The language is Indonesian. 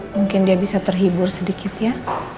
mungkin dia bisa terhibur sedikit ya